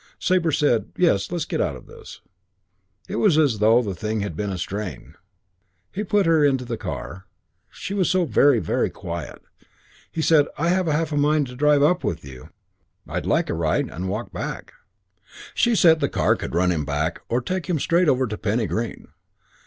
Sabre said, "Yes, let's get out of this." It was as though the thing had been a strain. He put her into the car. She was so very, very quiet. He said, "I've half a mind to drive up with you. I'd like a ride, and a walk back." She said the car could run him back, or take him straight over to Penny Green.